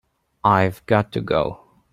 I've got to go.